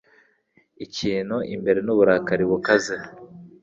Ikintu imbere N'uburakari bukaze,